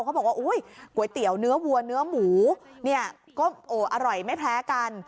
เขาบอกว่าอุ้ยก๋วยเตี๋ยวเนื้อวัวเนื้อหมูเนี่ยก็โอ้อร่อยไม่แพ้กัน